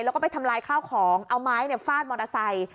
แล้วก็ไปทำลายข้าวของเอาไม้ฟาดมอเตอร์ไซค์